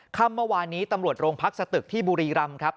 ค่ำเมื่อวานนี้ตำรวจโรงพักสตึกที่บุรีรำครับ